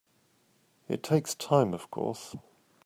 It takes time of course.